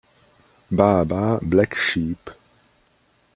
Baa Baa Black Sheep